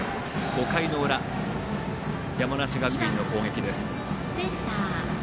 ５回の裏、山梨学院の攻撃です。